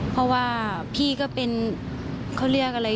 เพราะว่าพี่ก็เป็นเขาเรียกอะไร